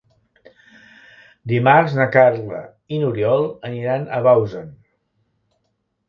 Dimarts na Carla i n'Oriol aniran a Bausen.